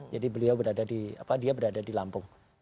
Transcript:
jadi beliau berada di lampung